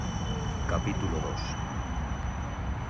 capítulo dos.